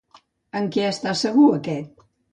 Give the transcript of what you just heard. En què està segur aquest?